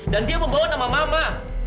dan dia membawa nama mama